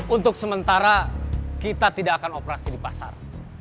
untuk sementara kita tidak akan operasi di pasar